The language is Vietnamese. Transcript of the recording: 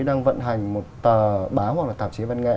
đang vận hành một tờ báo hoặc là tạp chí văn nghệ